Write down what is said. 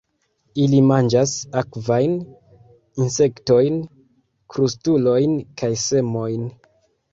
Ili manĝas akvajn insektojn, krustulojn kaj semojn.